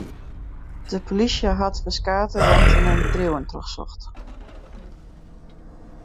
De polysje hat ferskate wenten en bedriuwen trochsocht.